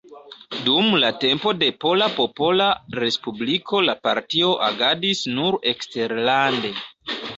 Dum la tempo de Pola Popola Respubliko la partio agadis nur eksterlande.